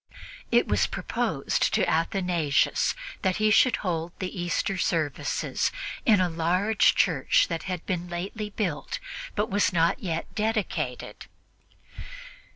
It was proposed to Athanasius that he should hold the Easter services in a large church that had been lately built but was not yet dedicated.